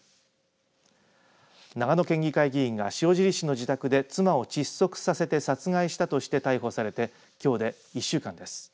長野県議会議員が塩尻市の自宅で妻を窒息させて殺害したとして逮捕されてきょうで１週間です。